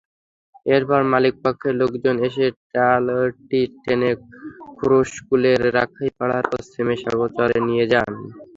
এরপর মালিকপক্ষের লোকজন এসে ট্রলারটি টেনে খুরুশকুলের রাখাইপাড়ার পশ্চিমে সাগরচরে নিয়ে যান।